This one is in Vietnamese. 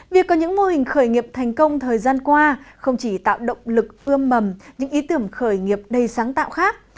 việc có những mô hình khởi nghiệp thành công thời gian qua không chỉ tạo động lực ươm mầm những ý tưởng khởi nghiệp đầy sáng tạo khác